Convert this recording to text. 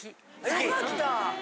よかった。